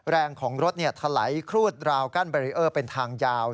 แรงของรถถลายครูดราวกั้นเบรีเออร์เป็นทางยาว